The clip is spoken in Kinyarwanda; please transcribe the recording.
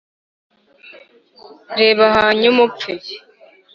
reba hanyuma upfe